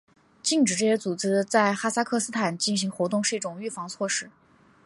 禁止这些组织在哈萨克斯坦进行活动是一种预防措施。